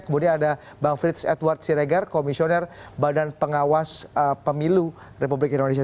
kemudian ada bang frits edward siregar komisioner badan pengawas pemilu republik indonesia